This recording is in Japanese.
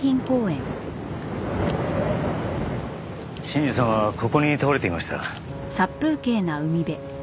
信二さんはここに倒れていました。